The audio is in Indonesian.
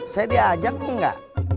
saya diajak enggak